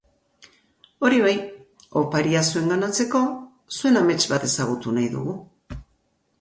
Hori bai, oparia zuenganatzeko zuen amets bat ezagutu nahi dugu.